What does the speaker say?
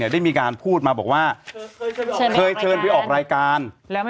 ดูสิจะถูกไหม